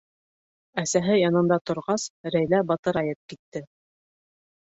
Әсәһе янында торғас, Рәйлә батырайып китте: